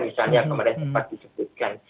misalnya kemarin sempat disebutkan